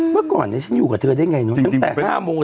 เมื่อก่อนฉันอยู่กับเธอได้ไงเนอะ